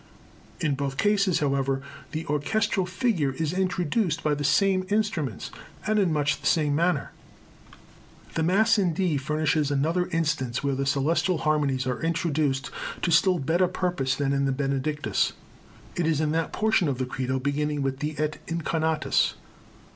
In both cases, however, the orchestral figure is introduced by the same instruments, and in much the same manner. The Mass in D furnishes another instance where the celestial harmonies are introduced to still better purpose than in the Benedictus. It is in that portion of the Credo, beginning with the Et incarnatus.